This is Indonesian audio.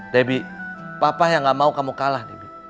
debi papa yang nggak mau kamu kalah